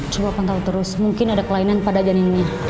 coba pantau terus mungkin ada kelainan pada ganingnya